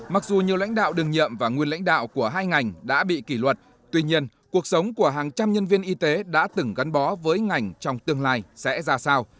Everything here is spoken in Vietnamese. mặc dù nhiều lãnh đạo đường nhậm và nguyên lãnh đạo của hai ngành đã bị kỷ luật tuy nhiên cuộc sống của hàng trăm nhân viên y tế đã từng gắn bó với ngành trong tương lai sẽ ra sao